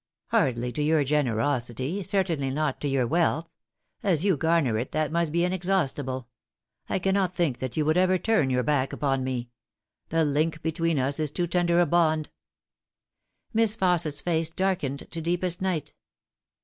" Hardly to your generosity ; certainly not to your wealth. As you garner it, that must be inexhaustible. I cannot think that you would ever turn your back upon me. The link between us is too tender a bond." Miss Fausset's face darkened to deepest night.